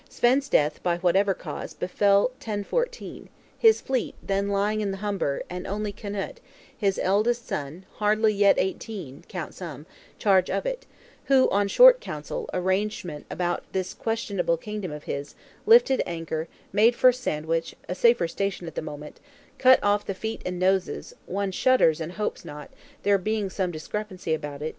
Svein's death, by whatever cause, befell 1014; his fleet, then lying in the Humber; and only Knut, his eldest son (hardly yet eighteen, count some), in charge of it; who, on short counsel, and arrangement about this questionable kingdom of his, lifted anchor; made for Sandwich, a safer station at the moment; "cut off the feet and noses" (one shudders, and hopes not, there being some discrepancy about it!)